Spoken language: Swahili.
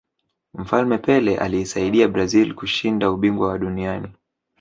mfalme pele aliisaidia brazil kushinda ubingwa wa duniani